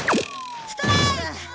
ストライク！